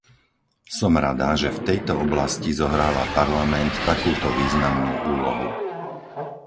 Som rada, že v tejto oblasti zohráva Parlament takúto významnú úlohu.